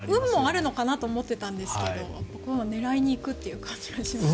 運もあるのかなと思っていたんですけど狙いに行くという感じがしますよね。